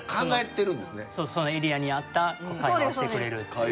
そのエリアに合った会話をしてくれる。